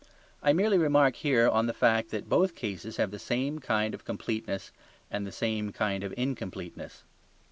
I merely remark here on the fact that both cases have the same kind of completeness and the same kind of incompleteness.